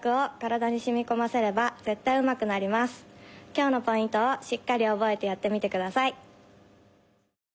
今日のポイントをしっかりおぼえてやってみてください。